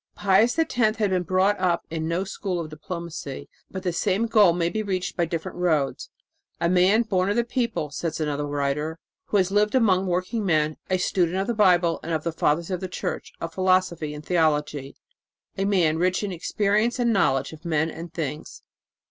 Pius X had been brought up in no school of diplomacy, but the same goal may be reached by different roads. "A man born of the people," said another writer, "who has lived among working men, a student of the Bible and of the Fathers of the Church, of philosophy and theology a man rich in experience and knowledge of men and things."